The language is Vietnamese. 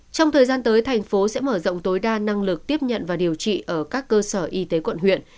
trong thời gian tới thành phố sẽ mở rộng tối đa năng lực tiếp nhận và điều trị ở các cơ sở y tế quận huyện